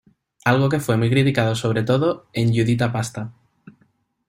Algo que fue muy criticado sobre todo en Giuditta Pasta.